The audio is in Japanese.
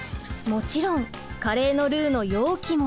もちろんカレーのルーの容器も。